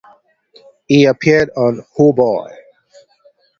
He appeared on Oh Boy!